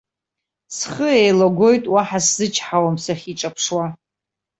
Схы еилагоит, уаҳа сзычҳауам сахьиҿаԥшуа.